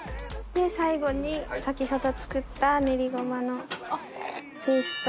最後に先ほど作った練りごまのペーストを。